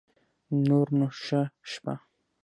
نور نو شه شپه